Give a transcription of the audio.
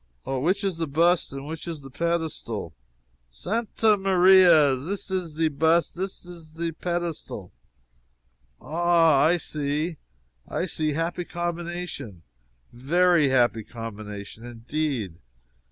"Ah which is the bust and which is the pedestal?" "Santa Maria! zis ze bust! zis ze pedestal!" "Ah, I see, I see happy combination very happy combination, indeed.